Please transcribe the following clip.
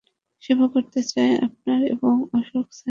সেবা করতে চাই, আপনার এবং অশোক স্যারের।